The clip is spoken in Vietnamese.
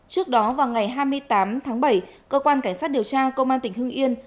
trước đó vào ngày hai mươi tám tháng bảy cơ quan cảnh sát điều tra công an tỉnh hưng yên